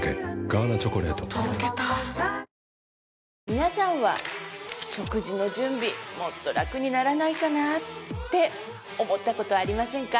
皆さんは「食事の準備もっと楽にならないかな」って思ったことありませんか？